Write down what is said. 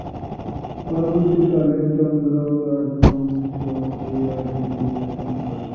পরবর্তীকালে চন্দ্র রাজবংশ এই রাজ্যটি শাসন করেছিল।